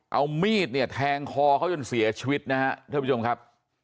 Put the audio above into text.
เอามีดแทงคอเขาจนเสียชีวิตนะครับ